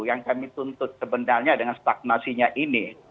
yang kami tuntut sebenarnya dengan stagnasinya ini